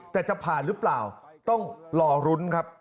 แต่จะผ่านหรือเปล่าต้องรอรุ้นครับ